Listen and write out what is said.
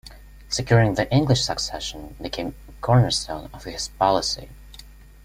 Securing the English succession became a cornerstone of his policy.